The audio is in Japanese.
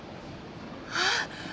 ああ！